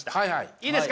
いいですか？